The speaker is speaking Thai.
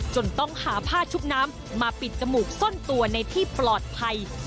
จนต้องหาผ้าชุบน้ำมาปิดจมูกซ่อนตัวในที่ปลอดภัย